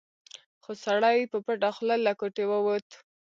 خو سړی په پټه خوله له کوټې ووت.